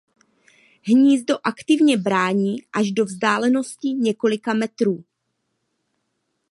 Hnízdo aktivně brání až do vzdálenosti několika metrů.